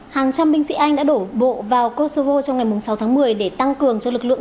hàng trăm binh sĩ anh đã đổ bộ vào kosovo trong ngày sáu tháng một mươi để tăng cường cho lực lượng